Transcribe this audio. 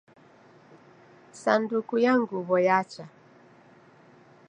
Sanduku ya nguw'o yacha